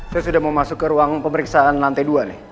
saya sudah mau masuk ke ruang pemeriksaan lantai dua nih